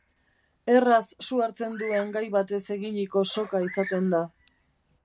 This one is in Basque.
Erraz su hartzen duen gai batez eginiko soka izaten da.